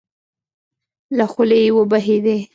له خولې يې وبهېدې.